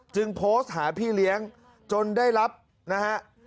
โพสต์หาพี่เลี้ยงจนได้รับนะฮะ